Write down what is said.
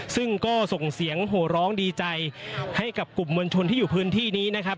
ซึ่งก็ส่งเสียงโหร้องดีใจให้กับกลุ่มมวลชนที่อยู่พื้นที่นี้นะครับ